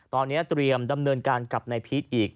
ตอนนี้เตรียมดำเนินการกับนายพีชอีก